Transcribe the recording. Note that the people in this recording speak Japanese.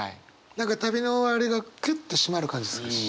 何か旅の終わりがギュッて締まる感じするし。